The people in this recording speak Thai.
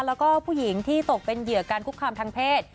แล้วก็ผู้หญิงที่ตกเป็นเหยื่อการคุกคามทางเพศ